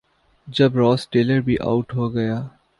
جب Ross Taylor بھی out ہو گئے۔